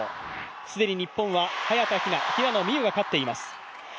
既に日本は早田ひな、平野美宇が勝っています。